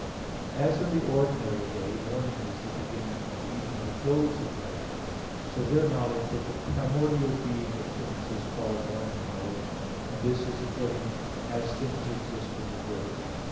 As in the ordinary day, morning is the beginning, and evening the close of day, so, their knowledge of the primordial being of things is called morning knowledge; and this is according as things exist in the Word.